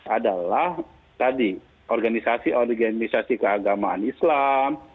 adalah tadi organisasi organisasi keagamaan islam